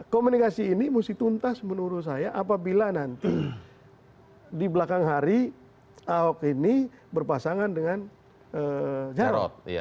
komunikasi ini mesti tuntas menurut saya apabila nanti di belakang hari ahok ini berpasangan dengan jarod